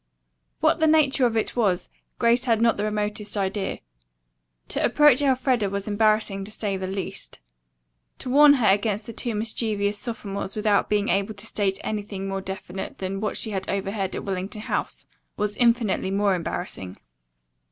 What the nature of it was Grace had not the remotest idea. To approach Elfreda was embarrassing to say the least. To warn her against the two mischievous sophomores without being able to state anything more definite than what she had overheard at Wellington House was infinitely more embarrassing.